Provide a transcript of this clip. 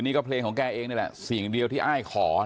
นี่ก็เพลงของแกเองนี่แหละสิ่งเดียวที่อ้ายขอ